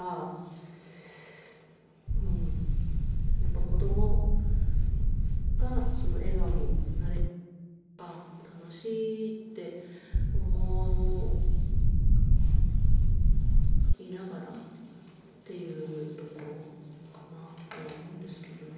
やっぱ子どもが笑顔になれるっていうか楽しいって思いながらっていうところかなとは思うんですけどね。